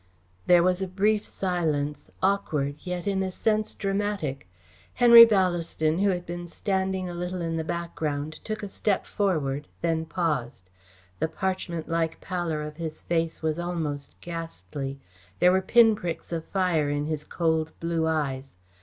There was a brief silence; awkward, yet in a sense dramatic. Henry Ballaston, who had been standing a little in the background, took a step forward, then paused. The parchment like pallor of his face was almost ghastly. There were pin pricks of fire in his cold, blue eyes.